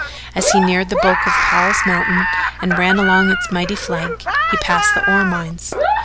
As he neared the bulk of Powell's mountain and ran along its mighty flank, he passed the ore mines.